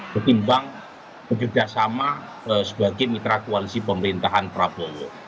ketimbang bekerjasama sebagai mitra koalisi pemerintahan prabowo